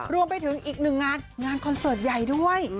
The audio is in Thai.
รวมไปถึงอีกหนึ่งงานงานคอนเสิร์ตใหญ่ด้วย